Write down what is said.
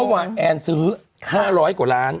เมื่อวานแอนซื้อ๕๐๐กว่าล้าน